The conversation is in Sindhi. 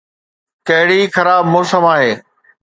ڪهڙي خراب موسم آهي!